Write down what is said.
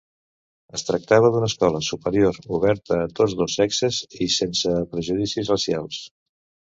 Es tractava d'una escola superior oberta a tots dos sexes i sense prejudicis racials.